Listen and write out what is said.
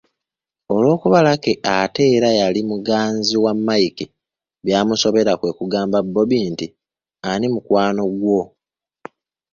Olw’okuba Lucky ate era yali muganzi wa Mike byamusobera kwe kugamba Bob nti, “Ani mukwano gwo?''